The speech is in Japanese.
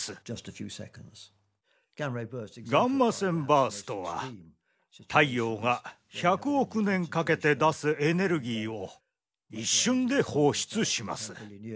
ガンマ線バーストは太陽が１００億年かけて出すエネルギーを一瞬で放出します。